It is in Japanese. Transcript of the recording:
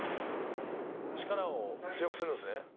力を強くするんですね。